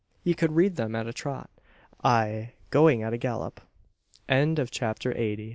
He could read them at a trot; ay, going at a gallop! CHAPTER EIGHTY ONE.